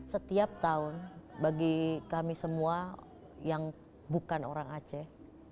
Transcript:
setiap tahun bagi kami semua yang bukan orang aceh